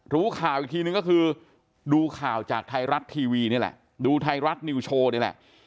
รู้ข่าวอีกทีนึงก็คือดูข่าวจากไทยรัฐทีวีนี่แหละดูไทยรัฐนิวโชว์นี่แหละ